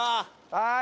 はい。